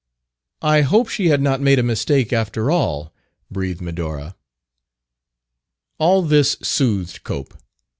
"I hope she had not made a mistake, after all," breathed Medora. All this soothed Cope.